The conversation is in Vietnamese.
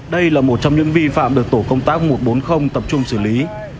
đây là một trong những vi phạm được tổ công tác một trăm bốn mươi tập trung xử lý